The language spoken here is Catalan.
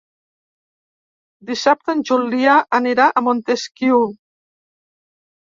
Dissabte en Julià anirà a Montesquiu.